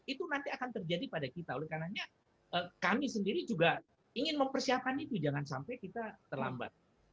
itu nanti akan terjadi pada kita oleh karena kami sendiri juga ingin mempersiapkan itu jangan sampai kita terlambat